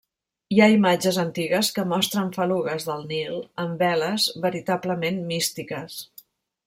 Hi ha imatges antigues que mostren falugues del Nil amb veles veritablement místiques.